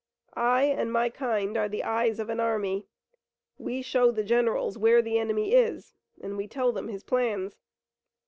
I and my kind are the eyes of an army. We show the generals where the enemy is, and we tell them his plans.